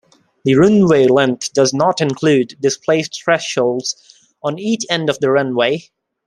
The runway length does not include displaced thresholds on each end of the runway.